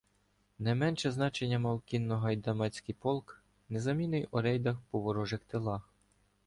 Не менше значення мав кінно-гайдамацький полк, незамінний у рейдах по ворожих тилах.